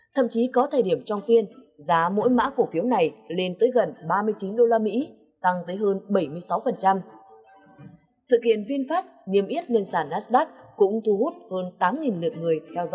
thậm chí có thời điểm trong phiên giá mỗi mã cổ phiếu này lên tới gần ba mươi triệu